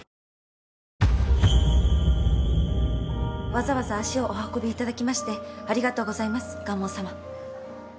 わざわざ足をお運びいただきましてありがとうございます蒲生さま。